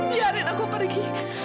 biarin aku pergi